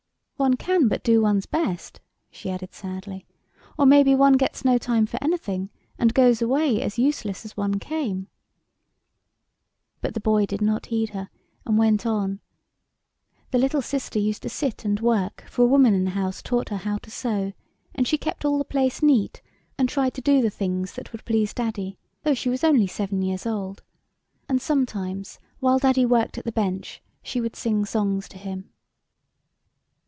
" One can but do one's best," she added sadly, " or maybe one gets no time for anything, and goes away as useless as one came." But the boy did not heed her, and went on "The little sister used to sit and work, for a woman in the house taught her how to sew, and she kept all the place neat, and tried to do the things SHE SAT DOWN ON THE LOWER STEP OF THE STILE. P. 50. HI.] BOUND THE RABBIT HOLES. 51 that would please Daddy, though she was only seven years old ; and sometimes while Daddy worked at the bench she would sing songs to him."